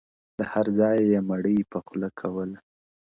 له هر ځایه یې مړۍ په خوله کوله.!